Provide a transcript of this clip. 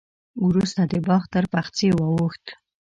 وروسته د باغ تر پخڅې واوښت.